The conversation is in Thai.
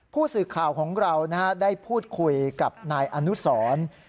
ผู้สื่อข่าวของเราได้พูดคุยกับนายอนุสร